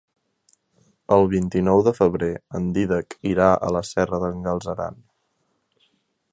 El vint-i-nou de febrer en Dídac irà a la Serra d'en Galceran.